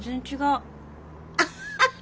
アッハハ！